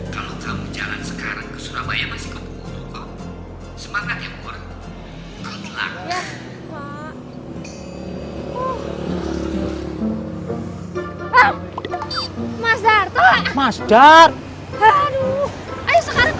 kalau kamu jalan sekarang ke surabaya masih kebunuh kok